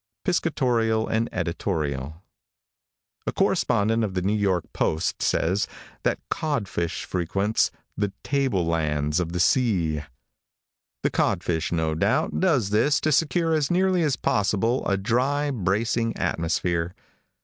PISCATORIAL AND EDITORIAL |A CORRESPONDENT of the New York Post says that the codfish frequents "the table lands of the sea." The codfish, no doubt, does this to secure as nearly as possible a dry, bracing atmosphere.